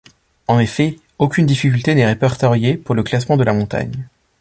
En effet, aucune difficulté n'est répertoriée pour le classement de la montagne.